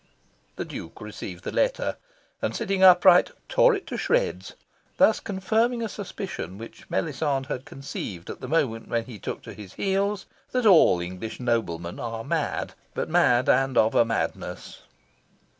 '" The Duke received the letter and, sitting upright, tore it to shreds, thus confirming a suspicion which Melisande had conceived at the moment when he took to his heels, that all English noblemen are mad, but mad, and of a madness.